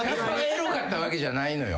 エロかったわけじゃないのよ。